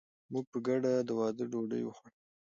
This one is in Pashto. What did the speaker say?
موږ په ګډه د واده ډوډۍ وخوړه.